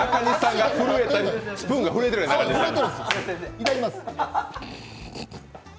いただきます。